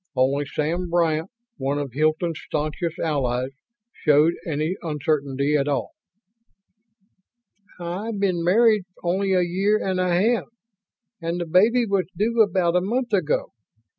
Only Sam Bryant, one of Hilton's staunchest allies, showed any uncertainty at all. "I've been married only a year and a half, and the baby was due about a month ago.